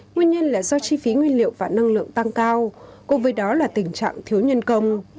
nguyên nhân là do chi phí nguyên liệu và năng lượng tăng cao cùng với đó là tình trạng thiếu nhân công